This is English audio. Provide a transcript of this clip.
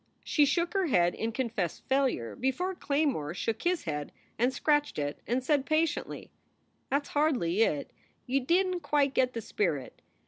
She shook her head in confessed failure before Claymore shook his head and scratched it and said, patiently: " That s hardly it. You didn t quite get the spirit.